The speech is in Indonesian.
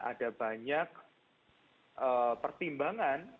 ada banyak pertimbangan